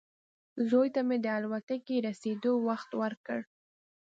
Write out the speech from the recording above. زوی ته مې د الوتکې رسېدو وخت ورکړ.